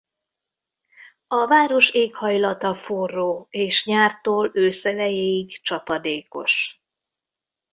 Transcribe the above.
A város éghajlata forró és nyártól ősz elejéig csapadékos.